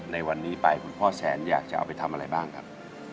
ในวันนี้ไปคุณพ่อแสนอยากจะเอาไปทำอะไรบ้างครับ